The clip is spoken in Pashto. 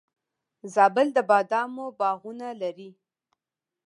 زابل د بادامو باغونه لري